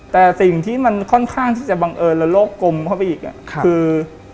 แต่สิ่งที่มันค่อนข้างที่จะบังเอิญและโลกกลมเข้าไปอีกคือ